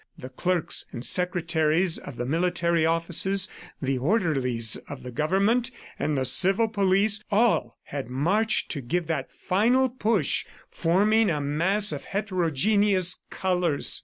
The clerks and secretaries of the military offices, the orderlies of the government and the civil police, all had marched to give that final push, forming a mass of heterogenous colors.